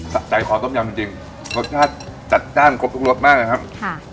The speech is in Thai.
สะใจคอต้มยำจริงจริงรสชาติจัดจ้านครบทุกรสมากนะครับค่ะ